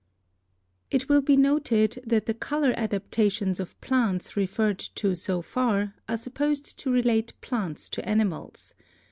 It will be noted that the color adaptations of plants re ferred to so far are supposed to relate plants to animals.